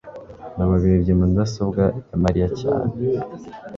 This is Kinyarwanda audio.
ndabaga yibye mudasobwa ya mariya cyane